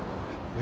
え？